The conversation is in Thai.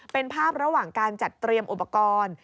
เป็นภาพระหว่างการจัดเตรียมอุปกรณ์